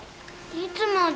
いつまで？